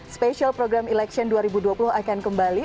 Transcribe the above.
special program election dua ribu dua puluh akan kembali